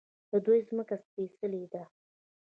د دوی ځمکه سپیڅلې ده.